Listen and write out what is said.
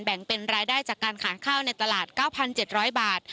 แบ่งเป็นรายได้จากการขายข้าวในตลาด๙๗๐๐บาท